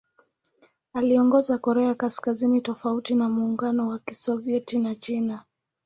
Aliongoza Korea Kaskazini tofauti na Muungano wa Kisovyeti na China.